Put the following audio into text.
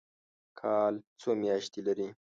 کال څو میاشتې لري؟